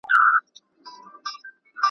هم یې وکتل لکۍ او هم غوږونه .